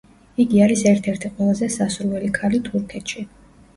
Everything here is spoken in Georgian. იგი არის ერთ-ერთი ყველაზე სასურველი ქალი თურქეთში.